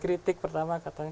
kritik pertama katanya